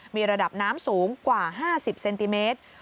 มีระดับน้ำสูงกว่า๕๐เซนติเมตร